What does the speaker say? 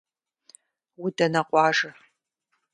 Удэнэ къуажэ?